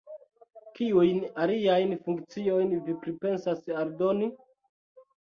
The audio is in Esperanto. Kiujn aliajn funkciojn vi pripensas aldoni?